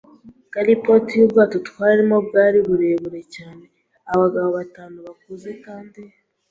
gallipot yubwato twarimo bwari buremerewe cyane. Abagabo batanu bakuze, kandi